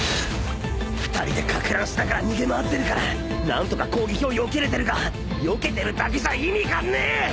２人でかく乱しながら逃げ回ってるから何とか攻撃をよけれてるがよけてるだけじゃ意味がねえ！